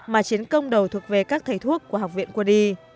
mà chiến công đầu thuộc về các thầy thuốc của học viện quân y